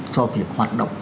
cho việc hoạt động